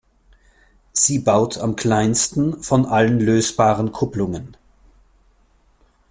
Sie baut am kleinsten von allen lösbaren Kupplungen.